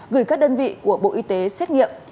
gửi các đơn vị của bộ y tế xét nghiệm